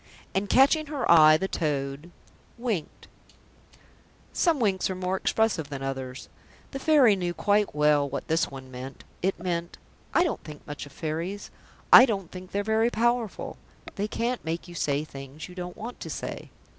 And, catching her eye, the toad winked. Some winks are more expressive than others. The Fairy knew quite well what this one meant. It meant: "I don't think much of Fairies. I don't think they're very powerful. They can't make you say things you don't want to say."